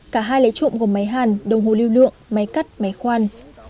cả hai lấy trộm gồm máy hàn đồng hồ lưu lượng máy cắt máy khoan